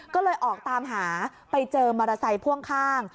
ก็เลยออกตามหาไปเจอมอเตอร์ไซค์พ่วงข้าง